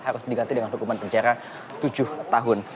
harus diganti dengan hukuman penjara tujuh tahun